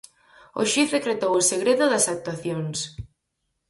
O xuíz decretou o segredo das actuacións.